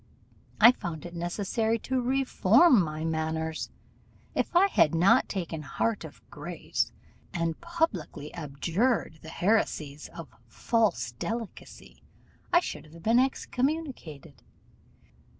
I found it necessary to reform my manners. If I had not taken heart of grace, and publicly abjured the heresies of false delicacy, I should have been excommunicated.